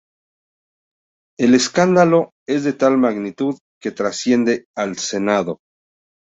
El escándalo es de tal magnitud que trasciende al Senado.